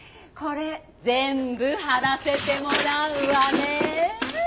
これ全部はらせてもらうわね。